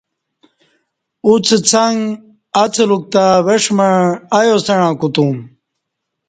اوڅہ څݣ اڅلوک تہ وݜمع ایاسݩع کوتوم